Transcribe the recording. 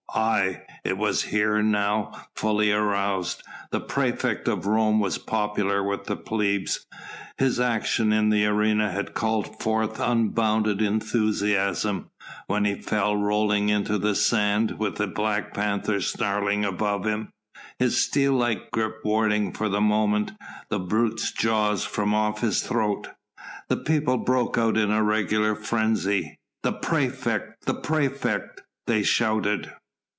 Aye! it was here now fully aroused. The praefect of Rome was popular with the plebs. His action in the arena had called forth unbounded enthusiasm. When he fell rolling into the sand, with the black panther snarling above him, his steel like grip warding for the moment the brute's jaws from off his throat, the people broke out into regular frenzy. "The praefect! the praefect!" they shouted.